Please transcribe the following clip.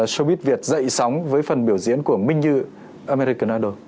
showbiz việt dậy sóng với phần biểu diễn của minh như american idol